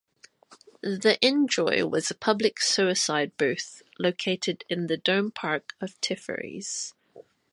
The Endjoy was a public suicide booth located in the Dome Park of Tiphares.